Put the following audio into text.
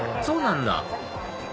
そうなんだ